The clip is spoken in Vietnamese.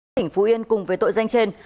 tỉnh phú yên cùng với tội danh trên